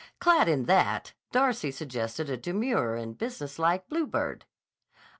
Clad in that Darcy suggested a demure and business like bluebird.